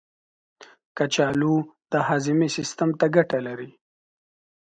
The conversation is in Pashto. کچالو د هاضمې سیستم ته ګټه لري.